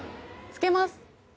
付けます。